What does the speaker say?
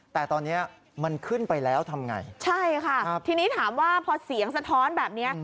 แต่ตอนนี้มันขึ้นไปแล้วทำไงใช่ค่ะทีนี้ถามว่าพอเสียงสะท้อนแบบนี้